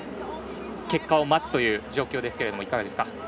結果を待つという状況ですがいかがですか？